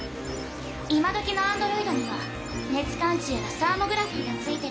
今どきのアンドロイドには熱感知やらサーモグラフィーが付いてるの。